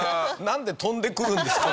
なんで飛んでくるんですか？